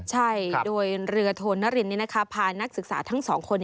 ใช่โดยเรือโทนรินพานักศึกษาทั้งสองคน